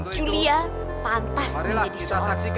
julia pantas menjadi seorang